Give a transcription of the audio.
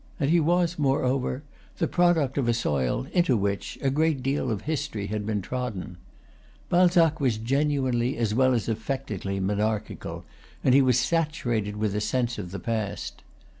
And he was, moreover, the product of a soil into which a great deal of history had been trodden. Balzac was genuinely as well as affectedly monarchical, and he was saturated with, a sense of the past.